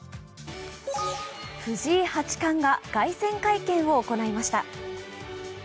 藤井八冠が凱旋会見を行いました。